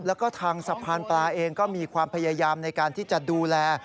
แล้วก็ทางสะพานปลาเองก็มีความพยายามในการที่จะดูแล